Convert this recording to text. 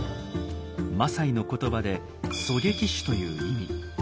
マサイの言葉で「狙撃手」という意味。